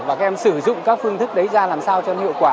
và các em sử dụng các phương thức đấy ra làm sao cho nó hiệu quả